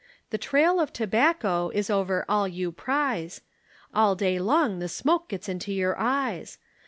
The trail of tobacco is over all you prize. All day long the smoke gets into your eyes.